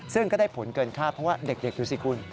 ซึ่งก็ได้ผลเกินคาดเพราะว่าเด็กดูสิคุณ